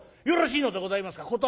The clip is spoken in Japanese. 「よろしいのでございますか？